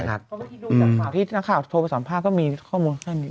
เพราะว่าที่ดูจากข่าวที่นักข่าวโทรไปสัมภาษณ์ก็มีข้อมูลแค่นี้